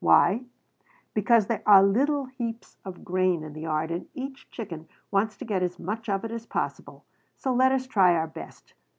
Why? Because there are little heaps of grain in the yard and each chicken wants to get as much of it as possible. So let us try our best.